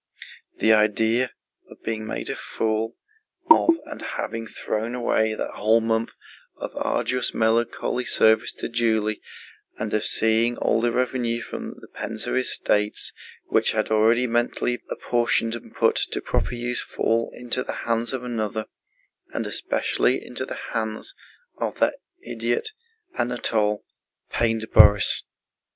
The idea of being made a fool of and of having thrown away that whole month of arduous melancholy service to Julie, and of seeing all the revenue from the Pénza estates which he had already mentally apportioned and put to proper use fall into the hands of another, and especially into the hands of that idiot Anatole, pained Borís.